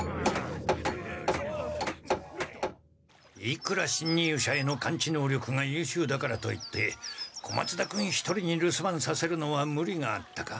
いくらしんにゅう者への感知能力がゆうしゅうだからといって小松田君一人に留守番させるのはムリがあったか。